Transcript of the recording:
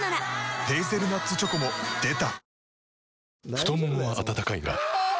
太ももは温かいがあ！